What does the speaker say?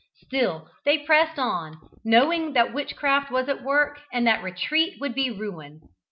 Still they pressed on, knowing that witchcraft was at work, and that retreat would be ruin.